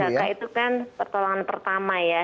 karena seperti p tiga k itu kan pertolongan pertama ya